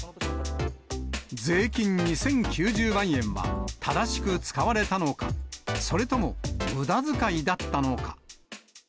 税金２０９０万円は正しく使われたのか、それともむだづかいだったのか。